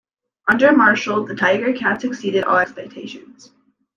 Under Marshall, the Tiger-Cats exceeded all expectations.